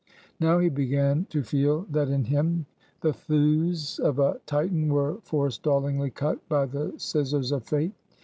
Now he began to feel that in him, the thews of a Titan were forestallingly cut by the scissors of Fate.